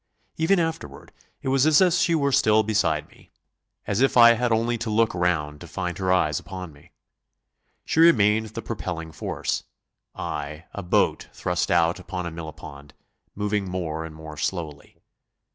Even afterward it was as if she were still beside me, as if I had only to look round to find her eyes upon me. She remained the propelling force, I a boat thrust out upon a mill pond, moving more and more slowly.